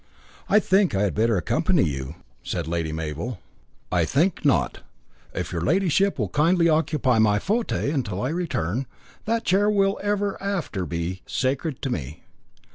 "I think I had better accompany you," said Lady Mabel. "I think not. If your ladyship will kindly occupy my fauteuil till I return, that chair will ever after be sacred to me.